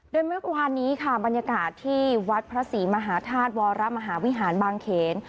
โดยเมื่อวานนี้ค่ะบรรยากาศที่วัดพระศรีมหาธาตุวรมหาวิหารบางเขน